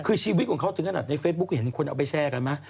คือชีวิตของเขาถึงขนาดในเฟซบุ๊คเห็นคนเอาไปแชร์กันไหม